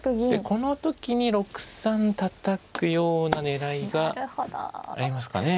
この時に６三たたくような狙いがありますかね。